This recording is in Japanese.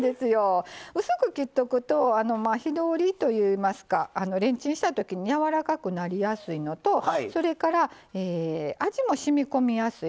薄く切っておくと火通りといいますかレンチンしたときにやわらかくなりやすいのとそれから、味もしみこみやすい。